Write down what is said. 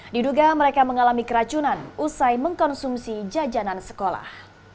diduga mereka mengalami keracunan usai mengkonsumsi jajanan sekolah